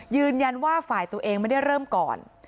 ยืนยันว่าฝ่ายตัวเองไม่ได้เริ่มก่อน